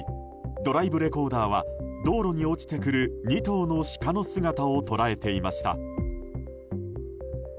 ドライブレコーダーは道路に落ちてくる２頭のシカの姿を捉えていました。